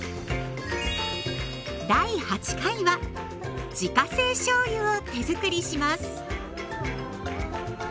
第８回は自家製しょうゆを手づくりします。